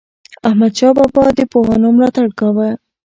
احمدشاه بابا د پوهانو ملاتړ کاوه.